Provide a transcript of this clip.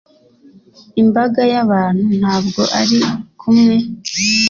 imbaga y'abantu ntabwo ari kumwe